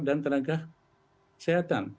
dan tenaga kesehatan